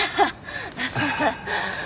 ハハハハ。